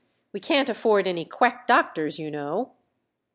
"We can't afford any quack doctors, you know."